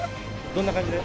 どんな感じで？